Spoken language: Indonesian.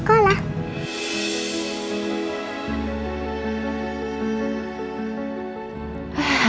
baru besok bisa antar aku sekolah